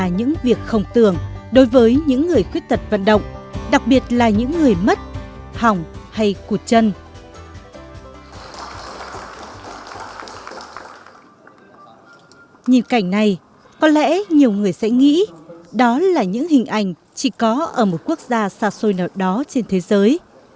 nhìn cảnh này có lẽ nhiều người sẽ nghĩ đó là những hình ảnh chỉ có ở một quốc gia xa xôi nào đó trên thế giới